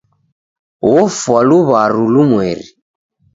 Ofwa luw'aru lumweri.